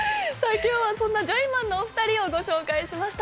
今日はそんなジョイマンのお２人をご紹介しました。